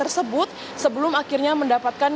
tersebut sebelum akhirnya mendapatkan